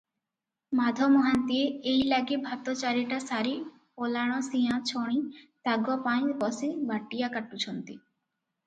ମାଧ ମହାନ୍ତିଏ ଏଇଲାଗେ ଭାତ ଚାରିଟା ସାରି ପଲାଣସିଆଁ ଛଣି ତାଗପାଇଁ ବସି ବାଟିଆ କାଟୁଛନ୍ତି ।